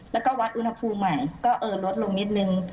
แล้วก็วัดอุณหภูมิใหม่ก็เออลดลงนิดนึง